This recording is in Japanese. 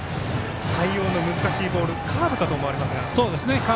対応の難しいボールカーブかと思われます。